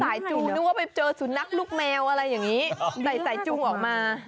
จูงนึกว่าไปเจอสุนัขลูกแมวอะไรอย่างนี้ใส่สายจูงออกมา